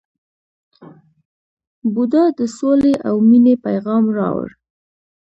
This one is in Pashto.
بودا د سولې او مینې پیغام راوړ.